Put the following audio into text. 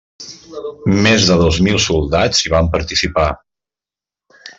Més de dos mil soldats hi van participar.